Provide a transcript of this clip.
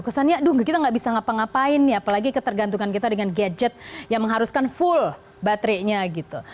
kesannya aduh kita gak bisa ngapa ngapain ya apalagi ketergantungan kita dengan gadget yang mengharuskan full baterainya gitu